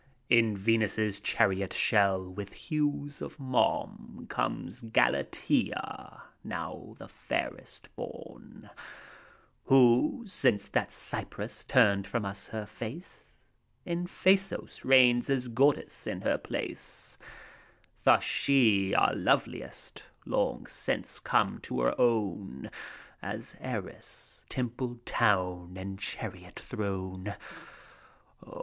In Venus' chariot shell, with hues of mom. Comes Galatea, now the fairest, borne; Who, since that Cypris turned from us her face. In Paphos reigns as goddess in her place. Thus she, our loveliest, long since came to own, As heiress, templed town and chariot throne.